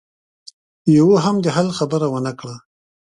يوه هم د حل خبره ونه کړه.